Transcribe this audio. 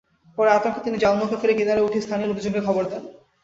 পরে আতঙ্কে তিনি জাল নৌকা ফেলে কিনারে উঠে স্থানীয় লোকজনকে খবর দেন।